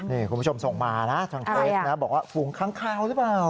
นี่คุณผู้ชมส่งมานะทางเฟสนะบอกว่าฝูงค้างคาวหรือเปล่า